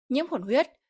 nhiễm khuẩn huyết